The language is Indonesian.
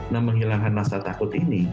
nah menghilangkan rasa takut ini